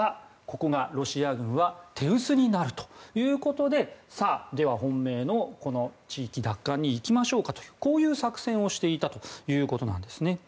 ここがロシア軍は手薄になるということででは本命の、この地域奪還に行きましょうかという作戦をしていたということです。